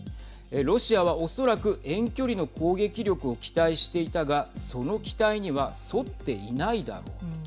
ロシアは、おそらく遠距離の攻撃力を期待していたがその期待には沿っていないだろう。